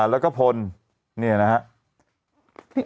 แล้วก็พลนี่นะคะ